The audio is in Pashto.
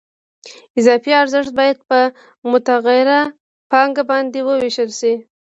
اضافي ارزښت باید په متغیره پانګه باندې ووېشل شي